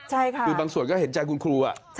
หรือบางส่วนก็เห็นใจคุณครู